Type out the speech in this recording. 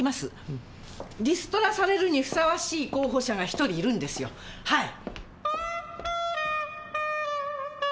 リストラされるにふさわしい候補者が１人いるんですよはい。